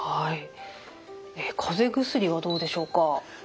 かぜ薬はどうでしょうか？